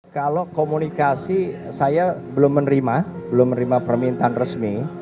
kalau komunikasi saya belum menerima belum menerima permintaan resmi